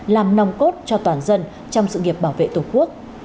làm nòng cốt cho toàn dân trong sự nghiệp bảo vệ tổ quốc